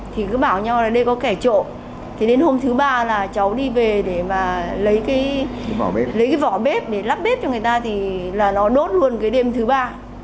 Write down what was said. thì cứ bảo nhau là đê có kẻ trộm thì đến hôm thứ ba là cháu đi về để mà lấy cái lấy cái vỏ bếp để lắp bếp cho người ta thì là nó đốt luôn cái đêm thứ ba